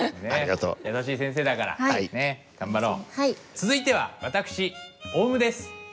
続いては私オウムです。